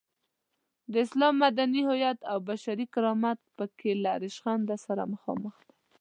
د اسلام مدني هویت او بشري کرامت په کې له ریشخند سره مخامخ دی.